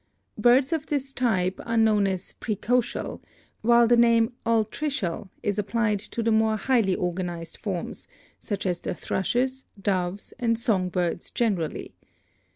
Birds of this type are known as praecocial, while the name altricial is applied to the more highly organized forms, such as the thrushes, doves and song birds generally.